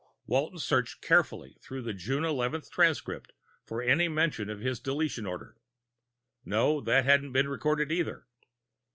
Walton searched carefully through the June eleventh transcript for any mention of his deletion order. No, that hadn't been recorded either.